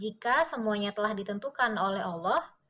jika semuanya telah ditentukan oleh allah